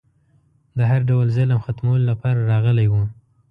د هر ډول ظلم ختمولو لپاره راغلی و